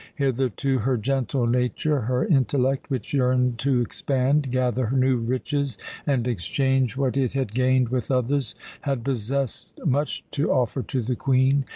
Hitherto her gentle nature, her intellect, which yearned to expand, gather new riches, and exchange what it had gained with others, had possessed much to offer to the Queen.